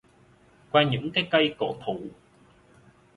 Qua những cái cây cổ thụ